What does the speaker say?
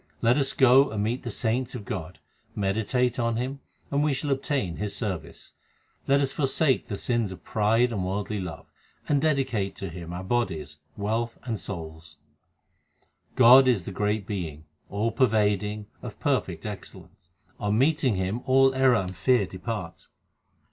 Let us go and meet the saints of God, meditate on Him, and we shall obtain His service. Let us forsake the sins of pride and worldly love, and dedicate to Him our bodies, wealth, and souls. HYMNS OF GURU ARJAN 345 God is the great Being, all pervading, of perfect excel lence ; on meeting Him all error and fear depart.